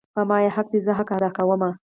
په ما یی حق ده زه حق ادا کوم